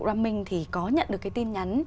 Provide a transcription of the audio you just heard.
raming thì có nhận được cái tin nhắn